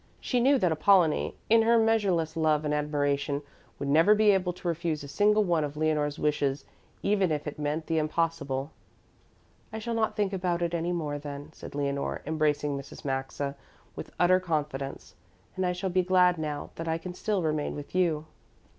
She knew that Apollonie in her measureless love and admiration would never be able to refuse a single one of Leonore's wishes, even if it meant the impossible. "I shall not think about it any more then," said Leonore, embracing Mrs. Maxa with utter confidence, "and I shall be glad now that I can still remain with you."